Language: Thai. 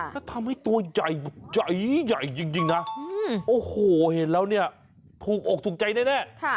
แล้วทำให้ตัวใหญ่ใหญ่จริงนะโอ้โหเห็นแล้วเนี่ยถูกอกถูกใจแน่